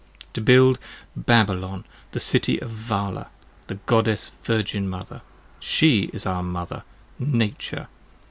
To build Babylon the City of Vala, the Goddess Virgin Mother. 30 She is our Mother! Nature!